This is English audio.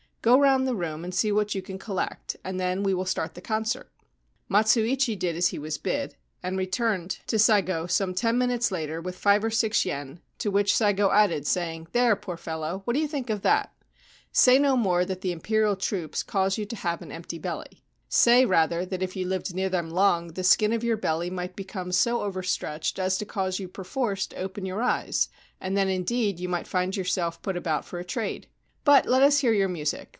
c Go round the room, and see what you can collect, and then we will start the concert.' Matsuichi did as he was bid, and returned to Saigo 225 29 Ancient Tales and Folklore of Japan some ten minutes later with five or six yen, to which Saigo added, saying :' There, poor fellow : what do you think of that ? Say no more that the Imperial troops cause you to have an empty belly. Say, rather, that if you lived near them long the skin of your belly might become so overstretched as to cause you perforce to open your eyes, and then indeed you might find yourself put about for a trade. But let us hear your music.